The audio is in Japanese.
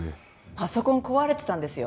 パソコン壊れてたんですよ。